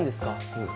うん。